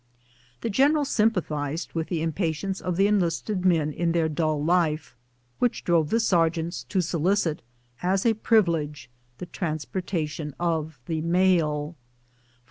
The general sympathized with the impatience of the enlisted men in their dull life, which drove the ser CARRYING THE MAIL. 121 geants to solicit as a privilege the transportation of the mail.